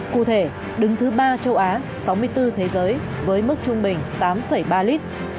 cụ thể đứng thứ ba châu á sáu mươi bốn thế giới với mức trung bình tám ba lít